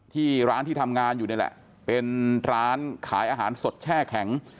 ที่ร้านที่ทำงานอยู่นี่แหละเป็นร้านขายอาหารสดแช่แข็ง